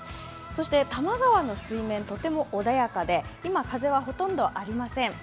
そして多摩川の水面、とても穏やかで、今、風はほとんどありません。